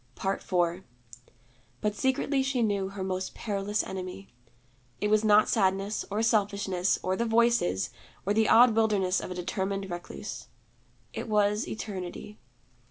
IV But secretly she knew her most perilous enemy. It was not sadness, or selfishness, or the Voices, or the odd wilderness of a determined recluse. It was Eternity.